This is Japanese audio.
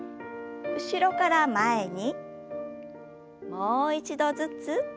もう一度ずつ。